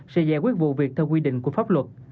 sẽ giải quyết vụ việc theo quy định của pháp luật